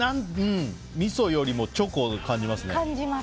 みそよりもチョコを感じますね。